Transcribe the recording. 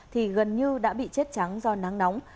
thì gần như đã bị chết trắng do nắng nóng